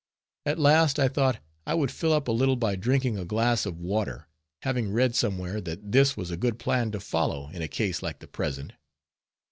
At last I thought I would fill up a little by drinking a glass of water; having read somewhere that this was a good plan to follow in a case like the present.